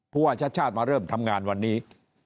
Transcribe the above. ว่าชาติชาติมาเริ่มทำงานวันนี้